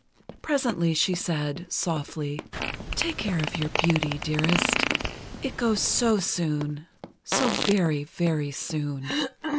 Presently she said, softly: "Take care of your beauty, dearest—it goes so soon—so very, very soon."